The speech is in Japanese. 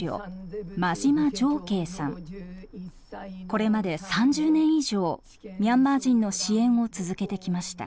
これまで３０年以上ミャンマー人の支援を続けてきました。